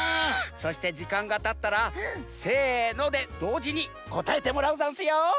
そしてじかんがたったらせのでどうじにこたえてもらうざんすよ！